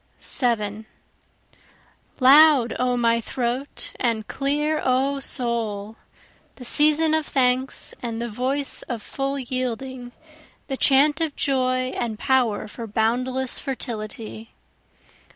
7 Loud O my throat, and clear O soul! The season of thanks and the voice of full yielding, The chant of joy and power for boundless fertility.